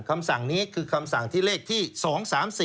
คำสั่งนี้คือคำสั่งที่เลขที่๒๓๔